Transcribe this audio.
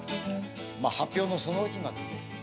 まだ発表のその日まで。